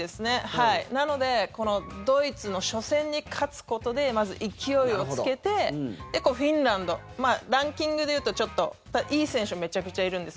なのでこのドイツの初戦に勝つことでまず勢いをつけてフィンランドランキングでいうといい選手がめちゃくちゃいるんです。